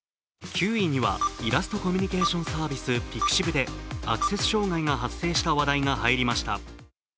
９位にはイラストコミュニケーションサービスｐｉｘｉｖでアクセス障害が発生した話題が入りました。